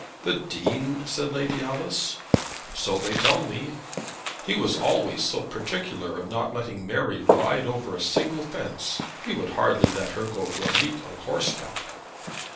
"The Dean!" said Lady Alice. "So they tell me." "He was always so particular in not letting Mary ride over a single fence. He would hardly let her go to a meet on horseback."